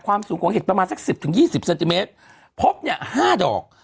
สูงของเห็ดประมาณสักสิบถึงยี่สิบเซนติเมตรพบเนี่ยห้าดอก